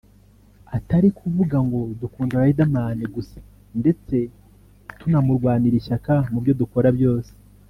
atari kuvuga ngo dukunda Riderman gusa ndetse tunamurwanira ishyaka mubyo dukora byose